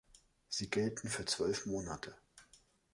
Sie gelten für zwölf Monate.